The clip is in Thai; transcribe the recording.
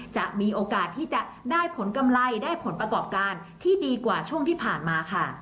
จะมีโอกาสที่จะได้ผลกำไรได้ผลประกอบการที่ดีกว่าช่วงที่ผ่านมาค่ะ